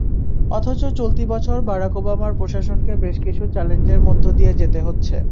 অথচ চলতি বছর বারাক ওবামার প্রশাসনকে বেশ কিছু চ্যালেঞ্জের মধ্য দিয়ে যেতেহচ্ছে।